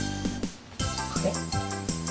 これ？